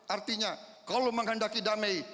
artinya kalau menghendaki damai